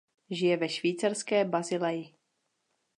Žije ve švýcarské Basileji.